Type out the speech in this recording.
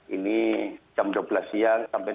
ini jam dua belas siang sampai jam tiga belas